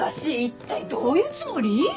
一体どういうつもり？